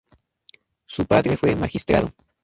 Su padre fue magistrado.